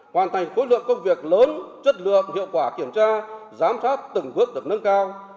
hoàn thành khối lượng công việc lớn chất lượng hiệu quả kiểm tra giám sát từng bước được nâng cao